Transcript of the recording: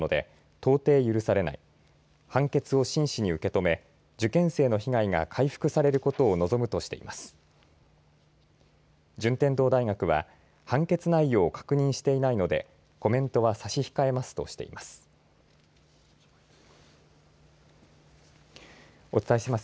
順天堂大学は判決内容を確認していないのでコメントは差し控えますとしています。